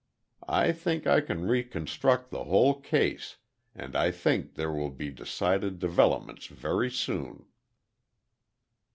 I think I can reconstruct the whole case, and I think there will be decided developments very soon."